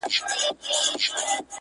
په اول د پسرلي کي د خزان استازی راغی،